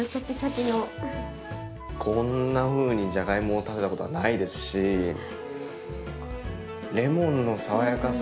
こんなふうにじゃがいもを食べたことはないですしレモンの爽やかさ。